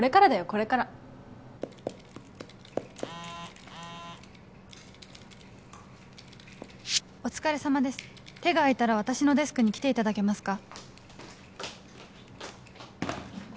これから「お疲れ様です手が空いたら私のデスクに来ていただけますか？」